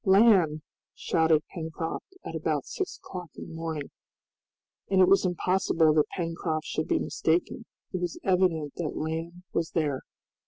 "Land!" shouted Pencroft at about six o'clock in the morning. And it was impossible that Pencroft should be mistaken, it was evident that land was there.